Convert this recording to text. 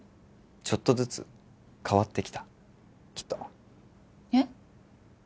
ちょっとずつ変わってきたきっとえっ？